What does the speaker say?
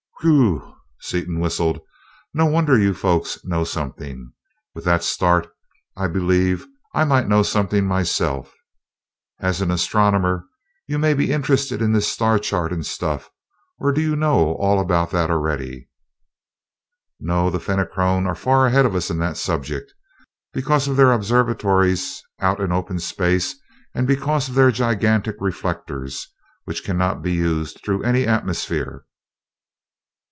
"Whew!" Seaton whistled, "no wonder you folks know something! With that start, I believe I might know something myself! As an astronomer, you may be interested in this star chart and stuff or do you know all about that already?" "No, the Fenachrone are far ahead of us in that subject, because of their observatories out in open space and because of their gigantic reflectors, which cannot be used through any atmosphere.